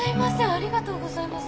ありがとうございます。